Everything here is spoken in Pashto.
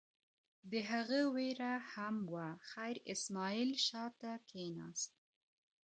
د هغه وېره هم وه، خیر اسماعیل شا ته کېناست.